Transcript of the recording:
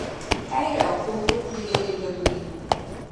ХӀера, къуйрукъли лерилра дуриб.